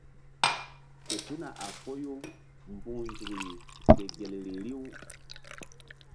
Fe tuna a foyu mbu̧h nzukri ke gel ri riw.